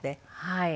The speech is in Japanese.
はい。